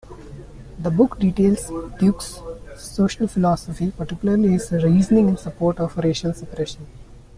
The book details Duke's social philosophies, particularly his reasoning in support of racial separation.